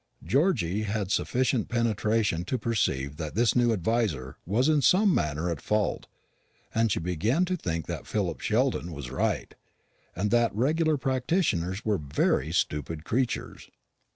Georgy had sufficient penetration to perceive that this new adviser was in some manner at fault; and she began to think that Philip Sheldon was right, and that regular practitioners were very stupid creatures.